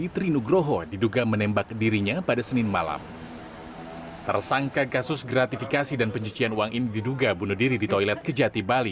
trinugraha sudah digeledah dan tidak diketahui jika membawa senjata api